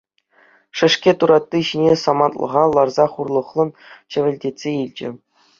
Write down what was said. Шӗшкӗ туратти ҫине самантлӑха ларса хурлӑхлӑн чӗвӗлтетсе илчӗ.